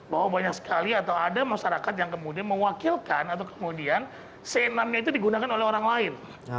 bahwa banyak sekali atau ada masyarakat yang kemudian mewakilkan atau kemudian c enam nya itu digunakan oleh orang lain